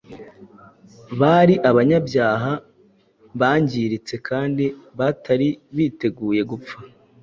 bari abanyabyaha bangiritse kandi batari biteguye gupfa.